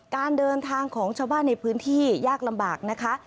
การเดินทางของชาวบ้านในพื้นที่ยากลำบากนะคะ